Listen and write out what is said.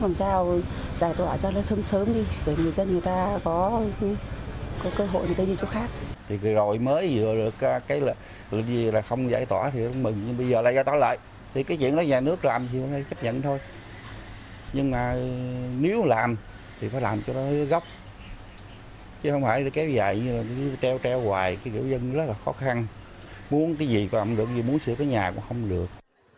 muốn cái gì cũng không được muốn sửa cái nhà cũng không được